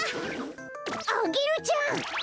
アゲルちゃん！